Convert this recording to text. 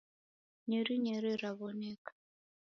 Nyeri nyeri raw'oneka.